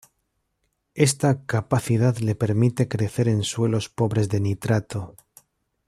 Esta capacidad le permite crecer en suelos pobres de nitrato.